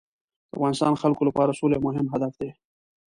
د افغانستان خلکو لپاره سوله یو مهم هدف دی.